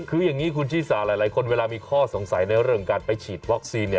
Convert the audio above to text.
คืออย่างนี้คุณชีสาหลายคนเวลามีข้อสงสัยในเรื่องการไปฉีดวัคซีน